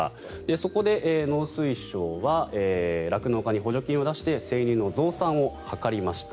そこで農水省は酪農家に補助金を出して生乳の増産を図りました。